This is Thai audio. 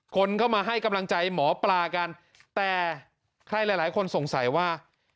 คนเข้ามาให้กำลังใจหมอปลากันแต่ใครหลายคนสงสัยว่า